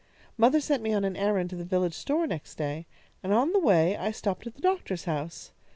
"Mother sent me on an errand to the village store next day, and on the way I stopped at the doctor's house.